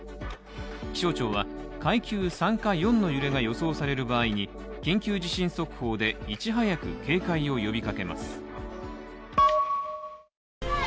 気象庁は階級３か４の揺れが予想される場合に緊急地震速報でいち早く警戒を呼びかけます。